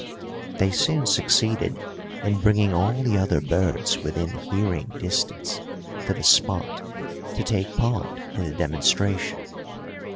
They soon succeeded in bringing all the other birds within hearing distance to the spot to take part in the demonstration.